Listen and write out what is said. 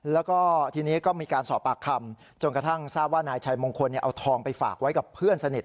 แล้วก็ทีนี้ก็มีการสอบปากคำจนกระทั่งทราบว่านายชัยมงคลเอาทองไปฝากไว้กับเพื่อนสนิท